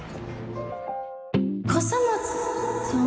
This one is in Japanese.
笠松さん？